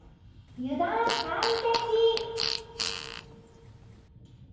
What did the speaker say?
油断大敵。